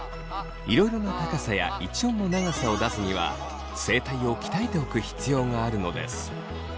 いろいろな高さや一音の長さを出すには声帯を鍛えておく必要があるのです。